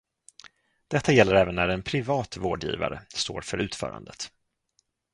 Detta gäller även när en privat vårdgivare står för utförandet.